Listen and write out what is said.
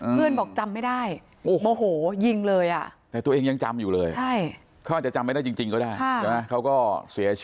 เพื่อนบอกจำไม่ได้โมโหยิงเลย